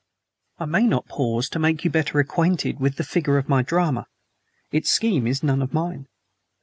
I may not pause to make you better acquainted with the figure of my drama; its scheme is none of mine.